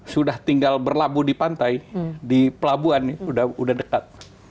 sudah tinggal berlabuh di pantai di pelabuhan sudah dekat